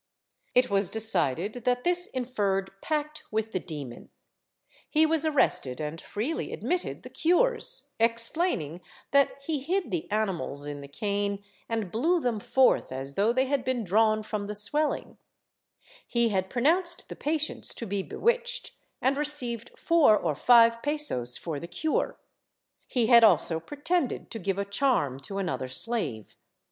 It was decided that this inferred pact with the demon ; he was arrested and freely admitted the cures, explaining that he hid the animals in the cane and blew them forth as though they had been drawn from the swelling; he had pronounced the patients to be bewitched and received four or five pesos for the cure ; he had also pretended to give a charm to another slave.